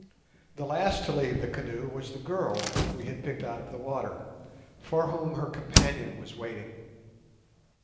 The last to leave the canoe was the girl we had picked out of the water, for whom her companion was waiting.